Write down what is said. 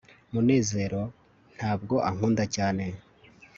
munezero ntabwo ankunda cyane